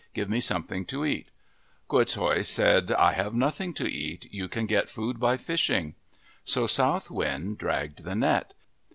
Give me something to eat." Quoots hooi said, " I have nothing to eat. You can get food by fishing." So South Wind dragged the net.